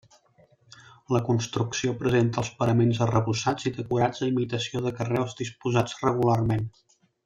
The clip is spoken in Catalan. La construcció presenta els paraments arrebossats i decorats a imitació de carreus disposats regularment.